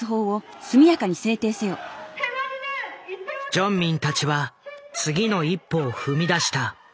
ジョンミンたちは次の一歩を踏み出した。